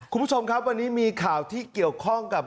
คุณผู้ชมครับวันนี้มีข่าวที่เกี่ยวข้องกับ